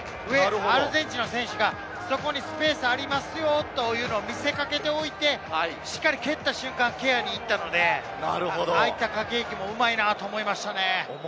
アルゼンチンの選手が、そこにスペースありますよというのを見せ掛けておいて、しっかり蹴った瞬間、ケアに行ったので、ああいった駆け引きもうまいと思いましたね。